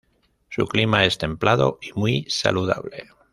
Su clima es templado y muy saludable.